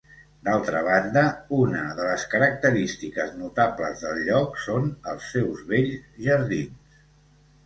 D'altra banda, una de les característiques notables del lloc són els seus bells jardins.